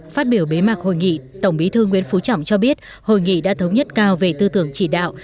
phát biểu bế mạc hội nghị tổng bí thư nguyễn phú trọng cho biết hội nghị đã thống nhất cao về tư tưởng chỉ đạo